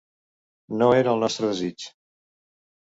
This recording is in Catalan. No era el nostre desig.